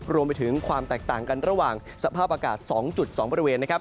รวมไปถึงความแตกต่างกันระหว่างสภาพอากาศ๒๒บริเวณนะครับ